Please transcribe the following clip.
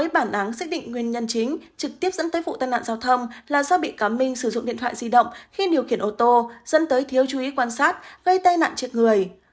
bà hằng xét định nguyên nhân chính trực tiếp dẫn tới vụ tai nạn giao thâm là do bị cám minh sử dụng điện thoại di động khi điều khiển ô tô dẫn tới thiếu chú ý quan sát gây tai nạn chiếc người